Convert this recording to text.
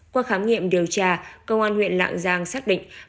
qua khám nghiệm điều tra công an huyện lạng giang xác định